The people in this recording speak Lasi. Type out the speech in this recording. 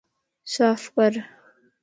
صاف ڪر